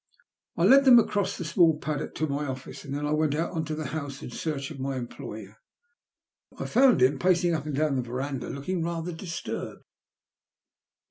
I led them across the small paddock to my office, and then went on to the house in search of my employer. I found him pacing up and down the verandah, looking rather disturbed.